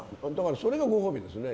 それがご褒美ですよね。